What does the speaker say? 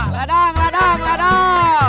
radang radang radang